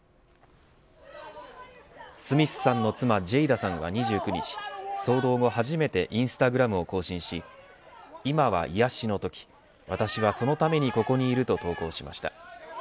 ジェイダさんは２９日騒動後初めてインスタグラムを更新し今は癒やしの時私はそのためにここにいると投稿しました。